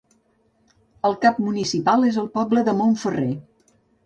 El cap municipal és el poble de Montferrer.